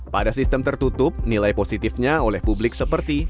pada sistem tertutup nilai positifnya oleh publik seperti